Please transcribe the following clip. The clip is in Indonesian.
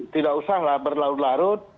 tidak usah berlarut larut